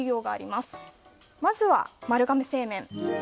まずは丸亀製麺。